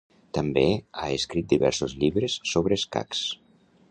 També ha escrit diversos llibres sobre escacs.